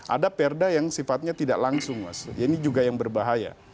ada perda yang sifatnya tidak langsung mas ini juga yang berbahaya